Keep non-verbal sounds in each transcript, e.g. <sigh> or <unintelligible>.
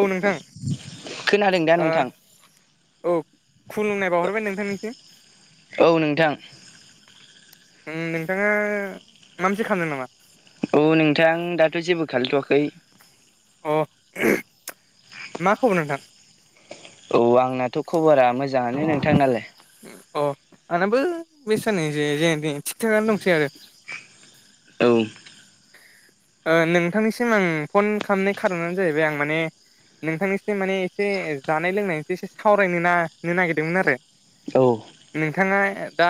औ नोंथां खोनादों दा नोंथां औ खुलुमनाय बावहरबाय नोंथांनिसिम औ नोंथां नोंथाङा माबा मोनसे खामदों नामा औ नोंथां दाथ' जेबो खालायथ'वाखै अ मा खबर नोंथां औ आंनाथ' खबरा मोजाङानो नोंथांनालाय अ आंनाबो बे साननैसो जेने थेने थिग थागानो दंसै आरो औ ओ नोंथांनिसिम आं फन खालामनाय खार'नानो जाहैबाय आं माने नोंथांनिसो माने एसे जानाय लोंनायनिस एसे सावरायनो नो नागिरदोंमोन आरो। औ नोंथाङा दा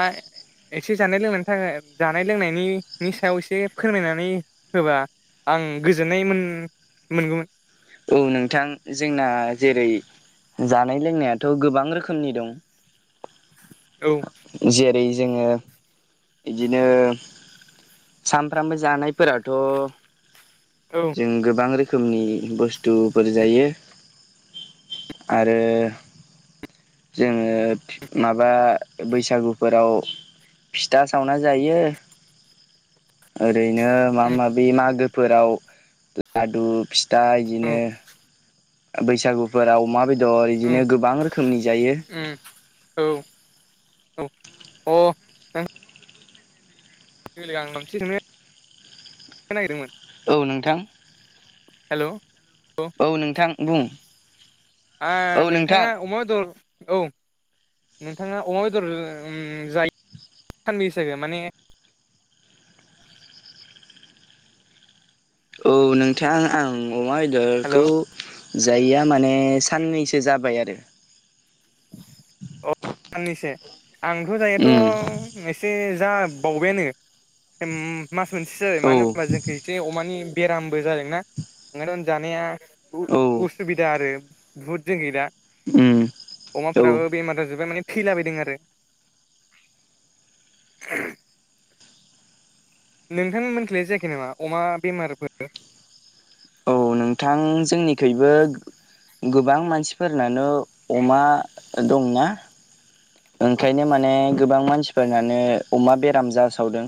एसे जानाय लोंनायनि थाखाय जानाय लोंनायनिनायनि सायाव एसे फोरमायनानै होबा आं गोजोननाय मोन मोनगौमोन। औ नोंथां जोंना जेरै जानाय लोंनायाथ' गोबां रोखोमनि दं। औ जेरै जोङो बिदिनो सामफ्रामबो जानायफोराथ' औ जों गोबां रोखोमनि बुस्थुफोर जायो। आरो जोङो माबा बैसागुफोराव फिथा सावना जायो <inaudible> ओरैनो माबा उम माबि मागोफोराव लादु फिथा औ बिदिनो बैसागुफोरा अमा बेदर औ बिदिनो गोबां रोखोमनि जायो। उम औ औ अ आं मोनसे सोंनो नागिरदोंमोन। औ नोंथां हेल' औ नोंथां बुं औ नोंथां नोंथाङा अमा बेदर औ नोंथाङा अमा बेदर जायो सानबो हिसै माने औ नोंथां आं अमा हेल' अ बेदरखौ जायया माने साननैसो जाबाय आरो। अ साननैस आंथ' जायैयाथ' उम एसे जा बावबायानो मास मोनसेसो जाबाय औ मानो होनबा जों एसे अमानि बेरामबो जादोंना ओंखायथ जानाया औ उसुबिदा आरो। बुहुत जों गै दा उम औ अमाफोराबो बेमार जाजोब्बाय माने थैलाबाय दों आरो। नोंथां मोनथिलाय जायाखै नामा अमा बेमारफोर औ नोंथां जोंनिखइबो गोबां मानसिफोरनानो अमा दंना ओंखायनो माने गोबां मानसिफोरनानो अमा बेराम जासावदों।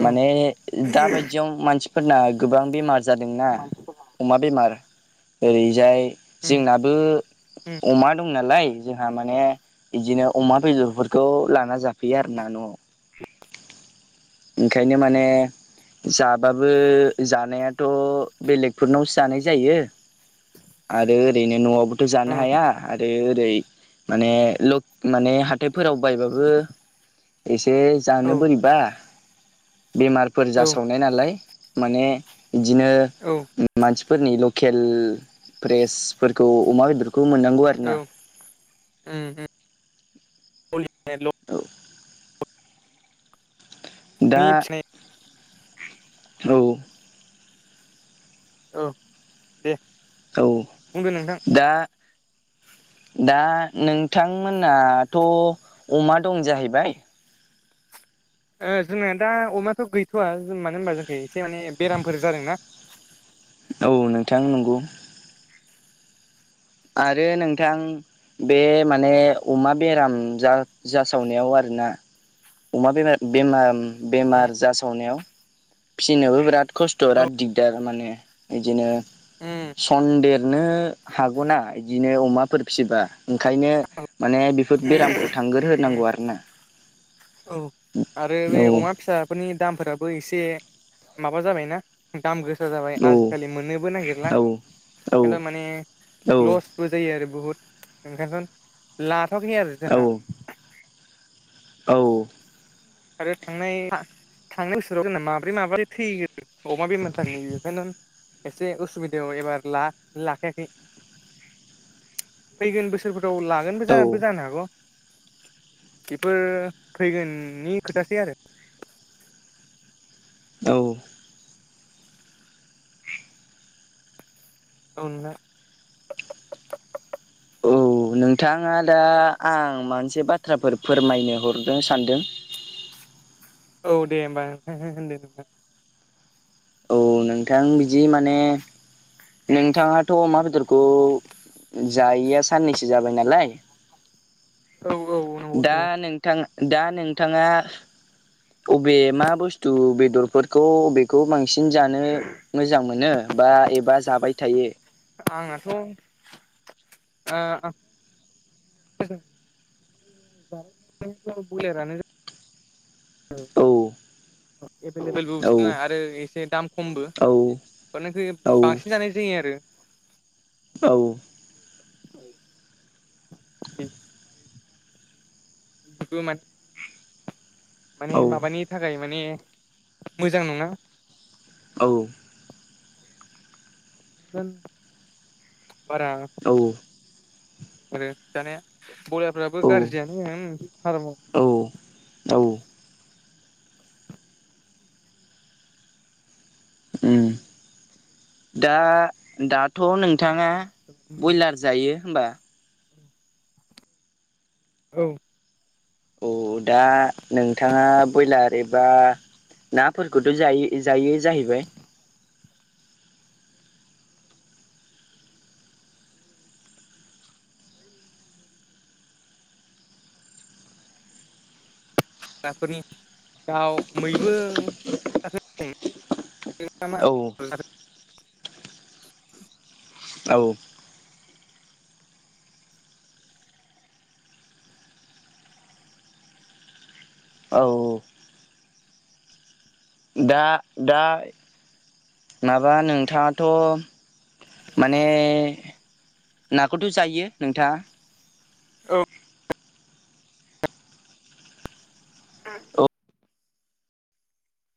औ माने दा बायदियाव मानसिफोरना गोबां बेमार जादोंना। उम अमा बेमार ओरैजाय जोंनाबो उम अमा दं नालाय जोंहा माने बिदिनो अमा बेदरफोरखौ लाना जाफैयो आरो ना न'आव। ओंखायनो माने जाबाबो जानायाथ' बेलेगफोरनावसो जानाय जायो। आरो ओरैनो न'आवबोथ' औ जानो हाया। आरो ओरै माने ल माने हाथायफोराव बायबाबो एसे जानो औ बोरैबा। बेमारफोर जासावनाय नालाय माने बिदिनो। औ। मानसिफोरनि लकेल फ्रेसफोरखौ अमा बेदरखौ मोननांगौ आरो। औ उम उम औ दा फिनाय औ औ दे औ बुंदो नोंथां दा दा नोंथांमोनाथ' अमा दं जाहैबाय ओ जोंना दा अमाथ' गैथ'वा ज मानो होनबा जोंना एसे माने बेरामफोर जादों ना औ नोंथां नंगौ आरो नोंथां बे माने अमा बेराम जा जासावनायाव आरोना अमा बेम बेमार बेमार जासावनायाव फिसिनोबो बिराद खस्थ' औ बिराद दिगदार माने बिदिनो सनन्देरनो हागौना बिदिनो अमाफोर फिसिबा ओंखायनो माने बेफोर बेरामखौ थांगोरहोनांगौ आरोना औ आरो बे औ अमा फिसाफोरनि दामफोराबो एसे माबा जाबायना दाम गोसा जाबाय औ आजिखालि मोननोबो नागिरला औ खिन्थु माने औ लस बो जायो आरो बुहुत ओंखायनो लाथ'आखै आरो जोंहा औ औ आरो थांनाय थांनाय बोसोराव जोंना माब्रै माबा सो थैयो अमा बेमार थांनि बेखायनो एसे उसुबिदायाव एबार ला लाखायाखै फैगोन बोसोर लागोन औ जानो हागौ बेफोर फैगोननि खोथासै आरो औ औ नोंथां <inaudible> औ नोंथाङा दा आं मोनसे बाथ्राफोर फोरमायनो हरनो सानदों औ दे हो हो‌ होनदो औ नोंथां बिदि माने नोंथाङाथ' अमा बेदर खौ जायैया साननैसो जाबाय नालाय औ औ नंगौ दा नंगौ नोंथां दा नोंथाङा अबे मा बुस्थु बेदरफोरखौ अबेखौ बांसिन जानो मोजां मोनो बा एबा जाबाय थायो आंनाथ' ओ बांसिन बयलारयानो जा औ एभेलेबेलबो औ बुसथुना आरो एसे दाम खमबो औ अख औ बांसिन जानाय जायो आरो औ मान माने औ माबानि थाखाय माने मोजां नङा औ बारा औ आरो जानाया बरयाफ्राबो गाज्रियानो हारामाव औ औ दा दाथ' नोंथाङा बयलार जायो होनोमबा औ औ औ दा नोंथाङा बयलार एबा नाफोरखौथ' जायो जायो जाहैबाय हाफोरनि दाउ मैबो <unintelligible> औ औ औ औ दा दा माबा नोंथाङाथ' माने नाखौथ' जायो नोंथाङा औ ओम औ